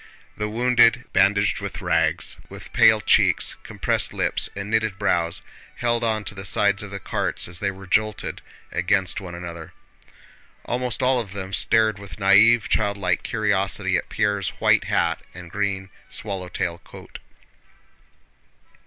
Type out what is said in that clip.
The wounded, bandaged with rags, with pale cheeks, compressed lips, and knitted brows, held on to the sides of the carts as they were jolted against one another. Almost all of them stared with naïve, childlike curiosity at Pierre's white hat and green swallow tail coat.